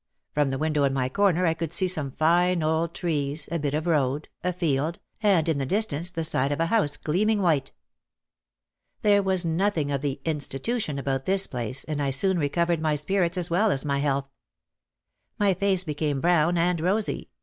From the window in my corner I could see some fine old trees, a bit of road, a field, and in the distance the side of a house gleaming white. There was nothing of the "institution" about this place and I soon recovered my spirits as well as my health. My face became brown and rosy.